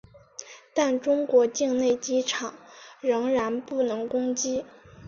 但中国境内机场依然不能攻击。